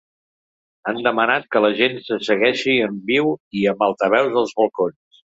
Han demanat que la gent el segueixi en viu i amb altaveus als balcons.